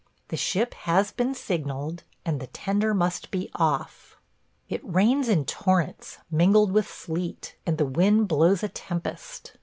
The ship has been signaled, and the tender must be off. It rains in torrents, mingled with sleet, and the wind blows a tempest.